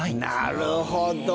なるほど。